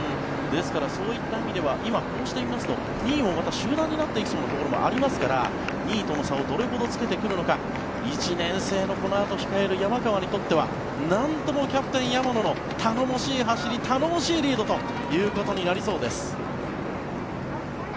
そういった意味では今、こうして見ますと２位も集団になっていきそうな部分もありますから２位との差をどれくらい詰めていくのか１年生の、このあと控える山川にとっては何ともキャプテン山野の頼もしい走り頼もしいリードとなりそうです。